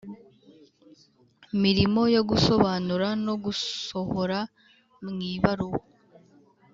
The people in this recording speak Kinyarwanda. mirimo yo gusobanura no gusohora mwibaruwa